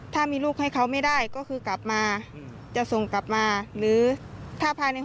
ถ้ามีลูกให้เขาไม่ได้ก็คือกลับมาจะส่งกลับมาหรือถ้าภายในห้อง